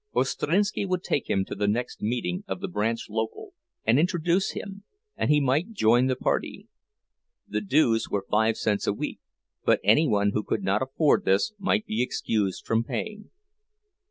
Ostrinski would take him to the next meeting of the branch local, and introduce him, and he might join the party. The dues were five cents a week, but any one who could not afford this might be excused from paying.